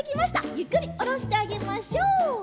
ゆっくりおろしてあげましょう。